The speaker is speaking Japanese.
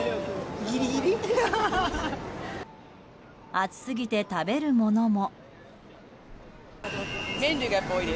暑すぎて食べるものも。